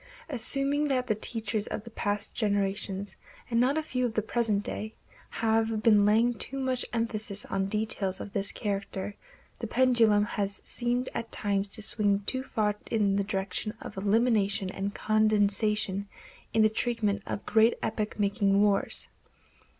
Assuming that the teachers of the past generation, and not a few of the present day, have been laying too much emphasis on details of this character, the pendulum has seemed at times to swing too far in the direction of elimination and condensation in the treatment of great epoch making wars.